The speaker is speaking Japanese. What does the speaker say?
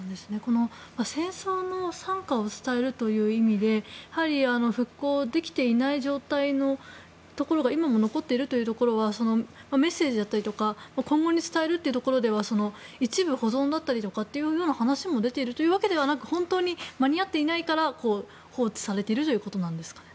戦争の惨禍を伝える意味で復興できていない状態のところが今も残っているということはメッセージだったりとか今後に伝えるというところでは一部保存だったりという話も出ているわけではなく本当に間に合っていないから放置されているということなんですか。